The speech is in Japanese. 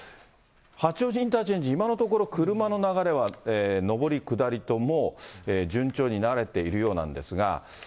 八王子インターチェンジ、今のところ、車の流れは上り、下りとも順調に流れているようなんですが。